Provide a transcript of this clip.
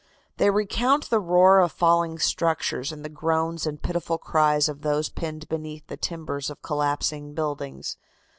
They recount the roar of falling structures and the groans and pitiful cries of those pinned beneath the timbers of collapsing buildings.